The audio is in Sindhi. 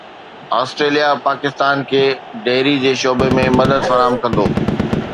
آسٽريليا پاڪستان کي ڊيري جي شعبي ۾ مدد فراهم ڪندو